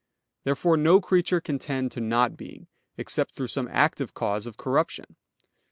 Therefore no creature can tend to not being, except through some active cause of corruption.